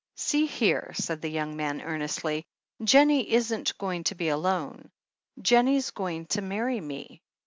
"See here," said the young man earnestly. "Jennie isn't going to be alone. Jennie's going to marry me.